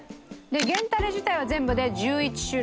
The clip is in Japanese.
源たれ自体は全部で１１種類。